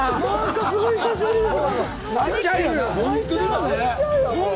すごい久しぶりです。